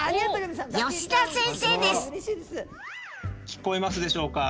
聞こえますでしょうか？